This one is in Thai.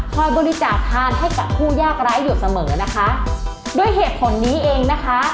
บริจาคทานให้กับผู้ยากร้ายอยู่เสมอนะคะด้วยเหตุผลนี้เองนะคะ